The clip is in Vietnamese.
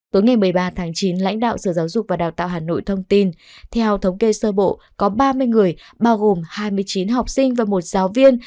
tối ngày một mươi ba tháng chín lãnh đạo sở giáo dục và đào tạo hà nội thông tin theo thống kê sơ bộ có ba mươi người bao gồm hai mươi chín học sinh và một giáo viên